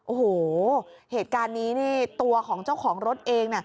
โอ้โหเหตุการณ์นี้นี่ตัวของเจ้าของรถเอง